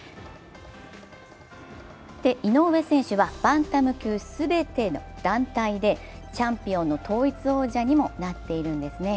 井上選手はバンタム級全ての団体でチャンピオンの統一王者にもなっているんですね。